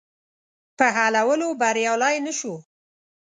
په حلولو بریالی نه شو.